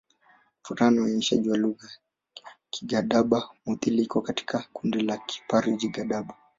Kufuatana na uainishaji wa lugha, Kigadaba-Mudhili iko katika kundi la Kiparji-Gadaba.